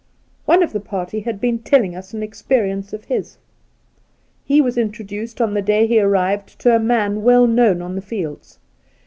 One of the party had been telli ng us an experience of his. He was introduced on the day he arrived to a man well known on the fields.